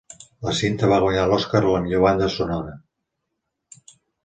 La cinta va guanyar l'Oscar a la millor banda sonora.